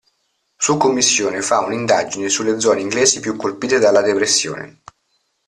Su commissione fa un'indagine sulle zone inglesi più colpite dalla depressione.